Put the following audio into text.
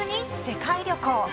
世界旅行」。